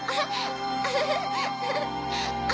ウフフフ。